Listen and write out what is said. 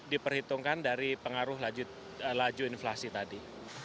diperhitungkan dari pengaruh laju inflasi tadi